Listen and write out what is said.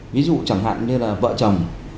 ví dụ chẳng hạn như là vợ chồng